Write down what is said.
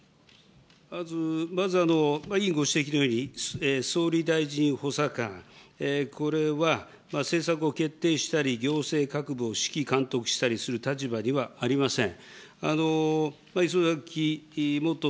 まず委員ご指摘のとおり、総理大臣補佐官、これは政策を決定したり、行政各部を指揮監督したりする立場にはありません。